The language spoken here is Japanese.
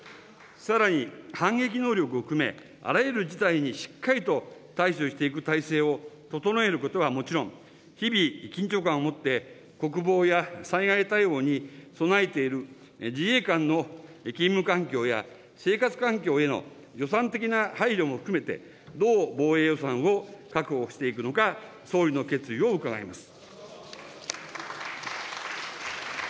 さらに反撃能力を含め、あらゆる事態にしっかりと対処していく体制を整えることはもちろん、日々緊張感を持って、国防や災害対応に備えている自衛官の勤務環境や生活環境への予算的な配慮も含めて、どう防衛予算を確保していくのか、総理の決意を伺います。